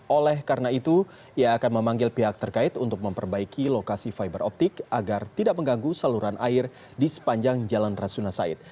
oleh karena itu ia akan memanggil pihak terkait untuk memperbaiki lokasi fiber optik agar tidak mengganggu saluran air di sepanjang jalan rasuna said